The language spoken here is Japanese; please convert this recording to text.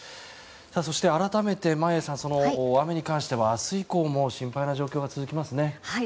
そして、改めて眞家さん雨に関しては明日以降も心配な状況が続きますね。